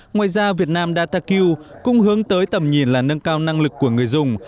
ngoài ra việt nam dataq cũng hướng tới tầm nhìn là nâng cao năng lực của người dùng